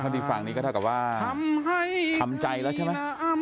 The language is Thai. ที่ฟังนี้ก็เท่ากับว่าทำใจแล้วใช่ไหม